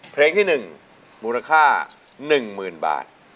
เพลงที่หนึ่งบูร๑๐๐๐บาท